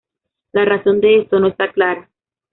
La razón de esto no está clara.